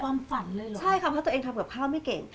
ความฝันเลยเหรอใช่ค่ะเพราะตัวเองทำกับข้าวไม่เก่ง